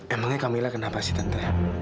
emangnya kamila kenapa sih tante